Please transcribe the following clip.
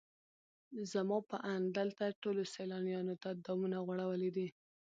زما په اند دلته ټولو سیلانیانو ته دامونه غوړولي دي.